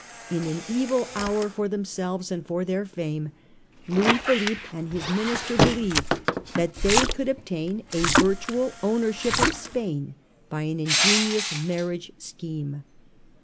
In an evil hour for themselves and their fame, Louis Philippe and his minister believed that they could obtain a virtual ownership of Spain by an ingenious marriage scheme.